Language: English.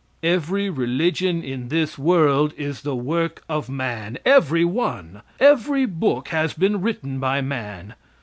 Every religion in this world is the work of man. Every one! Every book has been written by man.